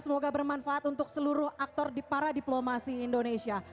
semoga bermanfaat untuk seluruh aktor para diplomasi indonesia